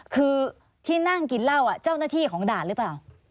คือที่นั่งกินเหล้าเจ้าหน้าที่ของด่านหรือเปล่า